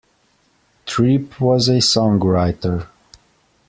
Tripp was a songwriter.